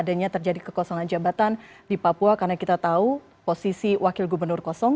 adanya terjadi kekosongan jabatan di papua karena kita tahu posisi wakil gubernur kosong